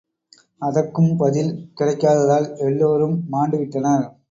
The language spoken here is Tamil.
அதற்கும் பதில் கிடைக்காததால், எல்லோரும் மாண்டுவிட்டனர்.